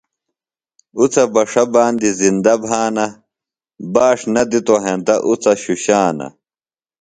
اُڅہ بݜہ باندیۡ زِندہ بھانہ۔ باݜ نہ دِتوۡ ہینتہ اُڅہ شُشانہ۔